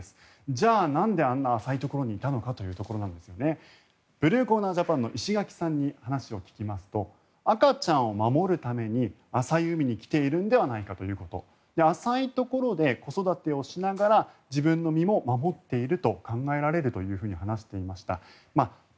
じゃあ、なんであんな浅いところにいたのかというところなんですがブルーコーナージャパンの石垣さんに話を聞きますと赤ちゃんを守るために、浅い海に来ているのではないかということ新型コロナのオミクロン株が拡大する中国・北京で世界遺産の故宮が閉鎖されました。